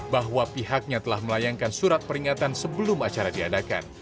bahwa pihaknya telah melayangkan surat peringatan sebelum acara diadakan